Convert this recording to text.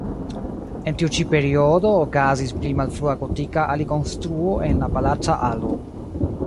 En tiu ĉi periodo okazis pli malfrua gotika alikonstruo en la palaca alo.